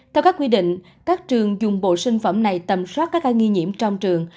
theo các quy định các trường dùng bộ sinh phẩm này tầm soát các ca nghi nhiễm trong trường